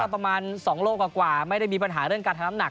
ประมาณ๒โลกว่าไม่ได้มีปัญหาเรื่องการทำน้ำหนัก